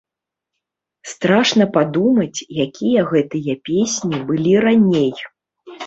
Страшна падумаць, якія гэтыя песні былі раней.